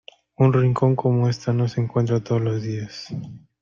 Un rincón como este no se encuentra todos los días.